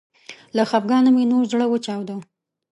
له خفګانه مې نور زړه وچاوده